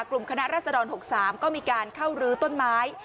กลุ่มคณะรัศดร๖๓ก็มีการเข้ารื้อต้นไม้